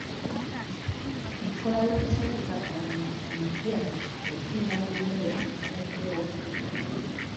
Enkola y'omusomesa ono omupya esinga ku y'oyo abaddewo.